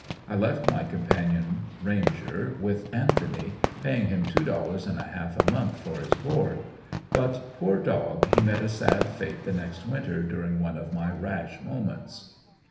I left my companion, Ranger, with Anthony, paying him two dollars and a half a month for his board. But poor dog he met a sad fate the next winter during one of my rash moments.